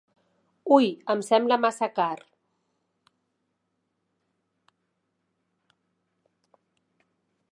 Ui, em sembla massa car.